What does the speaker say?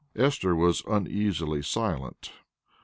Esther was uneasily silent.